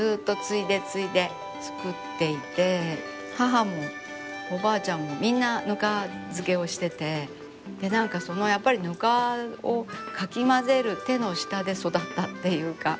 母もおばあちゃんもみんなぬか漬けをしてて何かやっぱりぬかをかき混ぜる手の下で育ったっていうか。